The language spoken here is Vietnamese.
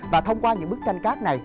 và thông qua những bức tranh cát này